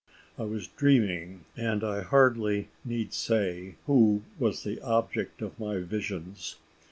I was dreaming, and I hardly need say who was the object of my visions.